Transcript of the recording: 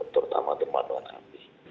terutama tempat tempat api